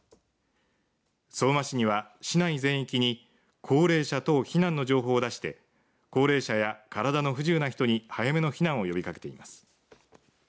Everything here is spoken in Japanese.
相馬市には市内全域に高齢者等避難の情報を出して高齢者や体の不自由な人に早めの避難を呼びかけています。